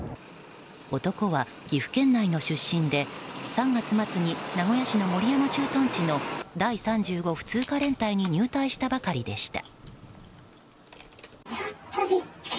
男は岐阜県内の出身で３月末に名古屋市の守山駐屯地の第３５普通科連隊に入隊したばかりでした。